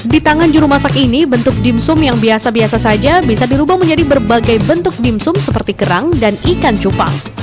di tangan juru masak ini bentuk dimsum yang biasa biasa saja bisa dirubah menjadi berbagai bentuk dimsum seperti kerang dan ikan cupang